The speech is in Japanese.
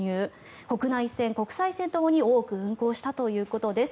国内線・国際線ともに多く運航したということです。